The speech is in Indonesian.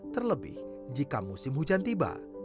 terlebih jika musim hujan tiba